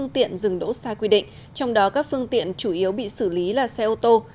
trong đó các phương tiện chủ yếu bị xử lý là xe ô tô